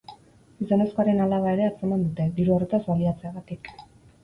Gizonezkoaren alaba ere atzeman dute, diru horretaz baliatzeagatik.